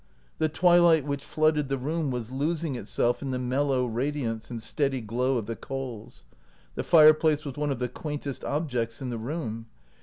The twilight which flooded the room was losing itself in the mellow radiance and steady glow of the coals. The fireplace was one of the quaintest objects in the room.